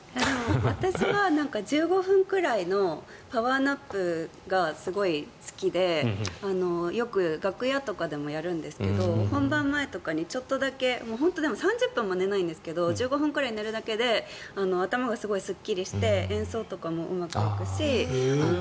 私は１５分ぐらいのパワーナップがすごい好きでよく楽屋とかでもやるんですけど本番前とかにちょっとだけ本当に３０分も寝ないんですが１５分くらい寝るだけど頭がすごくすっきりして演奏とかもうまくいくし。